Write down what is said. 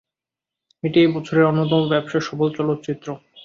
এটি এই বছরের অন্যতম ব্যবসাসফল চলচ্চিত্র।